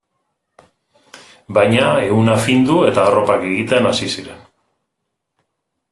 Baina ehuna findu eta arropak egiten hasi ziren.